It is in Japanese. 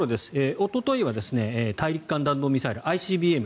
おとといは大陸間弾道ミサイル・ＩＣＢＭ。